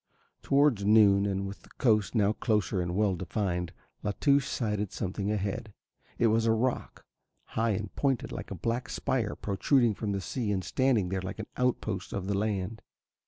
Towards noon and with the coast now closer and well defined, La Touche sighted something ahead. It was a rock, high and pointed like a black spire protruding from the sea and standing there like an outpost of the land.